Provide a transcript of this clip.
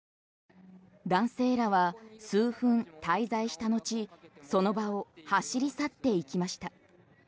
男性らは数分滞在した後その場を走り去っていきました。